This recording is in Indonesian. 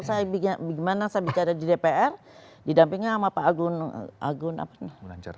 saya gimana saya bicara di dpr didampingi sama pak agun apa namanya